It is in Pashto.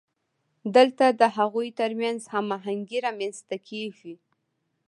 دلته د هغوی ترمنځ هماهنګي رامنځته کیږي.